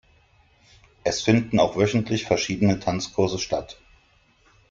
Es finden auch wöchentlich verschiedene Tanzkurse statt.